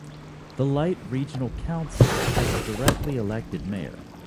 The Light Regional Council has a directly-elected mayor.